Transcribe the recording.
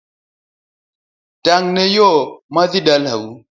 Tang na yoo madhii dalau